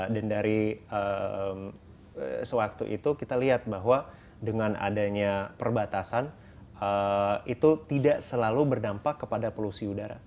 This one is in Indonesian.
dan dari sewaktu itu kita lihat bahwa dengan adanya perbatasan itu tidak selalu berdampak kepada polusi udara